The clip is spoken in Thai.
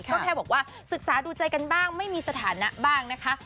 ก็แค่บอกว่าศึกษาดูใจกันบ้างไม่มีสถานะบ้างนะคะ